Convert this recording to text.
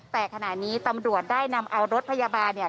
แต่ขณะนี้ตำรวจได้นำเอารถพยาบาลเนี่ย